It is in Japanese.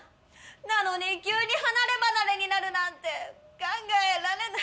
なのに急に離れ離れになるなんて考えられない。